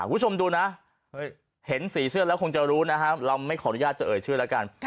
คุณผู้ชมดูนะเห็นสีเสื้อแล้วคงจะรู้นะครับเราไม่ขออนุญาตจะเอ่ยชื่อแล้วกัน